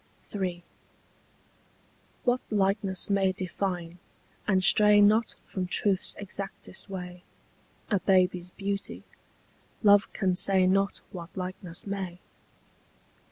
III. What likeness may define, and stray not From truth's exactest way, A baby's beauty? Love can say not What likeness may.